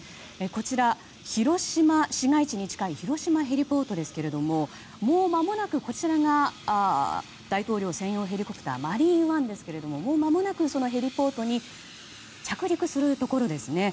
広島市街地に近い広島ヘリポートですけども大統領専用ヘリコプター「マリーンワン」ですがもうまもなくヘリポートに着陸するところですね。